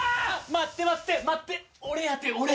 待って、待って俺やて、俺！